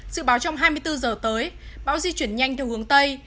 sự báo trong hai mươi bốn giờ tới bão di chuyển nhanh theo hướng tây